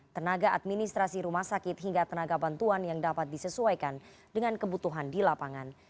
tenaga administrasi rumah sakit hingga tenaga bantuan yang dapat disesuaikan dengan kebutuhan di lapangan